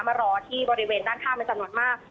มารอที่บริเวณด้านข้างเป็นจำนวนมาก